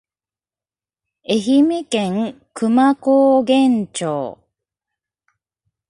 愛媛県久万高原町